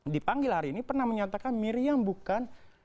dipanggil hari ini pernah menyatakan miriam bukan